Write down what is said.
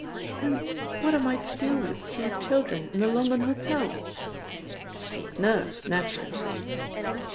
"And what am I to do with three children in a London hotel?" "Take Nurse, naturally."